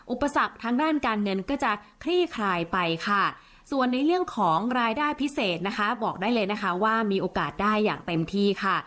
อุปสรรคทางด้านการเงินก็จะคลี่คลายไปค่ะส่วนในเรื่องของรายได้พิเศษนะคะบอกได้เลยนะคะว่ามีโอกาสได้อย่างเต็มที่ค่ะ